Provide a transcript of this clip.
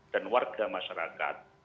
dan warga masyarakat